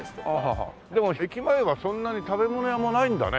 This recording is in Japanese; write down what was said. でも駅前はそんなに食べ物屋もないんだね。